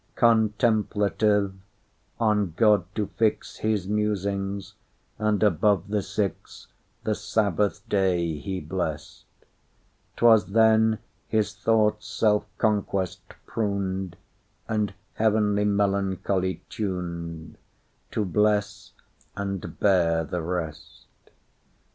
Contemplative—on God to fixHis musings, and above the sixThe Sabbath day he blessed;'Twas then his thoughts self conquest pruned, And heavenly melancholy tuned, To bless and bear the rest.